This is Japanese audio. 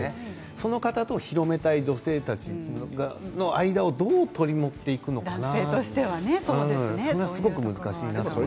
それと広めたい女性たちの間をどうやって取り持っていくのかなというそれがすごく難しいですね。